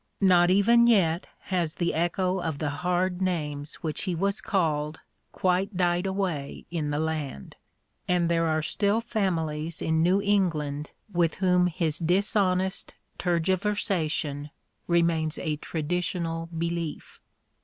Not even yet has the echo of the hard names which he was called quite died away in the land; and there are still families in New England with whom his dishonest tergiversation remains a traditional belief.